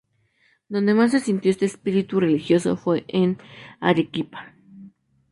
Donde más se sintió este espíritu religioso fue en Arequipa.